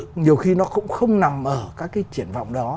nhiều khi nó cũng không nằm ở các cái triển vọng đó